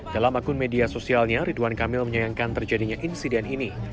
dalam akun media sosialnya ridwan kamil menyayangkan terjadinya insiden ini